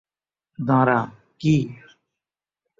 দাঁড়া, কী?